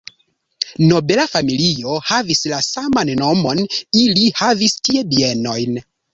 Nobela familio havis la saman nomon, ili havis tie bienojn.